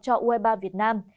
cho u hai mươi ba việt nam